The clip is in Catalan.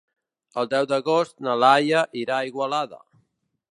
El deu d'agost na Laia irà a Igualada.